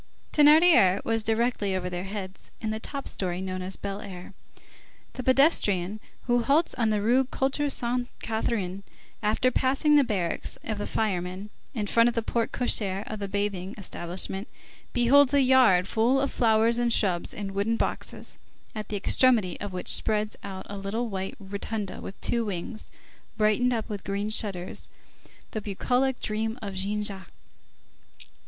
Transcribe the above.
Thénardier was directly over their heads in the top story known as Fine Air. The pedestrian who halts on the Rue Culture Sainte Catherine, after passing the barracks of the firemen, in front of the porte cochère of the bathing establishment, beholds a yard full of flowers and shrubs in wooden boxes, at the extremity of which spreads out a little white rotunda with two wings, brightened up with green shutters, the bucolic dream of Jean Jacques.